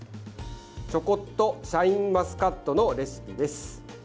「チョコっとシャインマスカット」のレシピです。